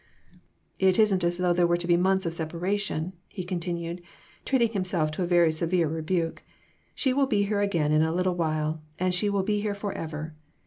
" It isn't as though there were to be months of separation," he continued, treating himself to a very severe rebuke. " She will be here again in a little while, and she will be here forever.